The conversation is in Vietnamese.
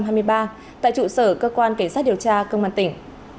tại trụ sở cơ quan cảnh sát điều tra công an tỉnh